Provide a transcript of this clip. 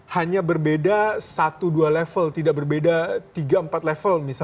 hanya berbeda satu dua level tidak berbeda tiga empat level